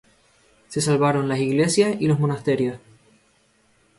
Se salvaron las iglesias y los monasterios.